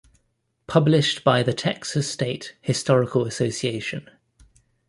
Published by the Texas State Historical Association.